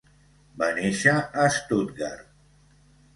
Va néixer a Stuttgart.